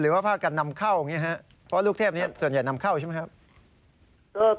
ว่าผ้ากันนำเข้าอย่างนี้ครับเพราะลูกเทพนี้ส่วนใหญ่นำเข้าใช่ไหมครับ